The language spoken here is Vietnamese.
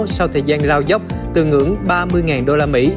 sau thời gian lao dốc từ ngưỡng ba mươi đô la mỹ